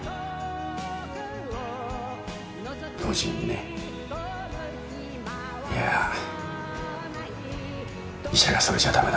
同時にねいや医者がそれじゃ駄目だろって。